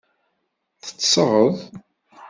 Teṭṭseḍ?